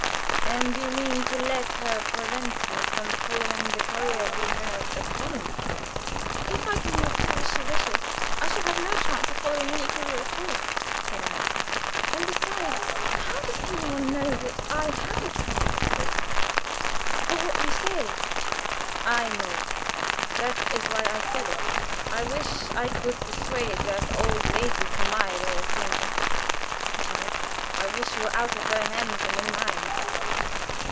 And you mean to let her prevent you from following the career you have a talent for?" "If I do not do as she wishes, I shall have no chance of following any career at all," said I. "And, besides, how does any one know that I have a talent for for what you say?" "I know it; that is why I said it. I wish I could persuade that old lady to my way of thinking!" he added. "I wish you were out of her hands and in mine.